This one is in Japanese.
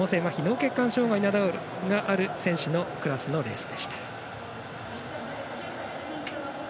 血管障がいなどがある選手のクラスのレースでした。